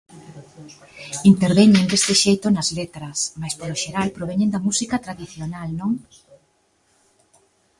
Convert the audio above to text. Interveñen deste xeito nas letras, mais polo xeral proveñen da música tradicional, non?